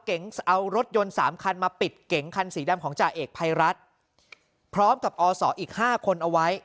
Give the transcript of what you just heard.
เก๋งเอารถยนต์สามคันมาปิดเก๋งคันสีดำของจ่าเอกภัยรัฐพร้อมกับอศอีกห้าคนเอาไว้